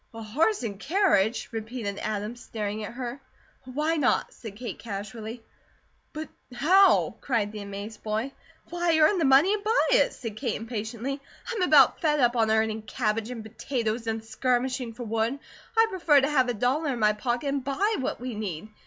"A horse and carriage?" repeated Adam, staring at her. "Why not?" said Kate, casually. "But how?" cried the amazed boy. "Why, earn the money, and buy it!" said Kate, impatiently. "I'm about fed up on earning cabbage, and potatoes, and skirmishing for wood. I'd prefer to have a dollar in my pocket, and BUY what we need.